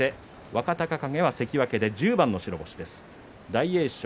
若隆景は関脇で１０番の白星です。